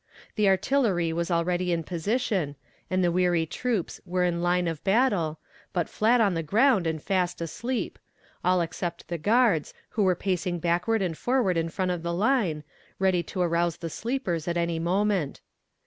The artillery was already in position, and the weary troops were in line of battle, but flat on the ground and fast asleep all except the guards, who were pacing backward and forward in front of the line, ready to arouse the sleepers at any moment.